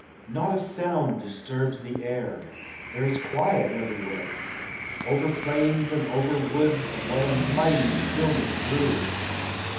Not a sound disturbs the air, There is quiet everywhere ; Over plains and over woods What a mighty stillness broods!